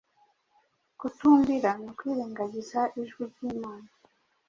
Kutumvira ni ukwirengagiza ijwi ry’Imana,